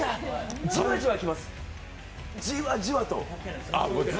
じわじわ来ます、じわじわと。